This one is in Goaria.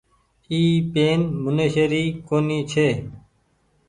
اي پين منيشي ري ڪونيٚ ڇي۔